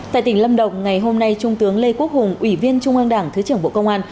tại tỉnh lâm đồng ngày hôm nay trung tướng lê quốc hùng ủy viên trung ương đảng thứ trưởng bộ công an